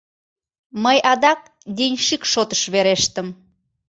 Мый адак денщик шотыш верештым.